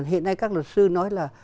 hiện nay các luật sư nói là